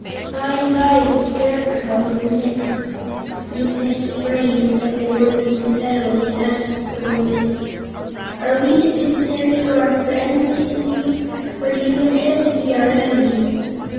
By and by the Scarecrow, whose mixed brains had been working steadily, asked the woman: "Are we to consider you our friend, Mrs. Yoop, or do you intend to be our enemy?"